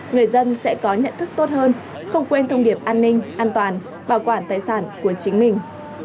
người dân sẽ có nhận thức tốt hơn không quên thông điệp an ninh an toàn bảo quản tài sản của chính mình